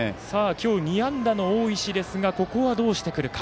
今日２安打の大石ですがここはどうしてくるか。